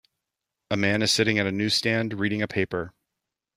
A man is sitting at a newsstand, reading a paper